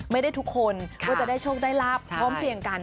ไม่ได้ทุกคนว่าจะได้โชคได้รับพร้อมเพียงกัน